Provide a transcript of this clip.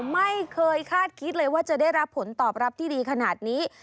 ไม่เคยคาดคิดเลยว่าจะได้รับผลตอบรับที่ดีขนาดนี้